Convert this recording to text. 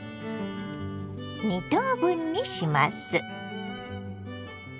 ２等分にします。